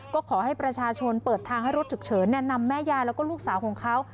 ก็ขอให้ประชาชนเปิดทางให้รถฉุกเฉินนำแม่ยายแล้วก็ลูกสาวของเขา